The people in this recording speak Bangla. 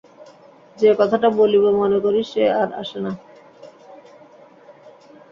যে কথাটা বলিব মনে করি সে আর আসে না।